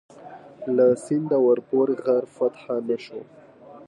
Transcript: له سینده ورپورې غر فتح نه شو.